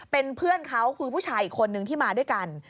เป็นเพื่อนเขาคือผู้ชายอีกคนนึงที่มาด้วยกัน